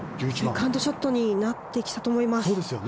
セカンドショットになってきたと思います。